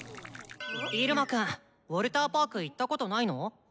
イルマくんウォルターパーク行ったことないの？